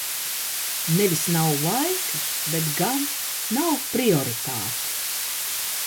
Nevis "nav laika", bet gan "nav priorit?te".